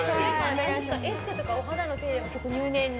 エステとかお肌の手入れは入念に？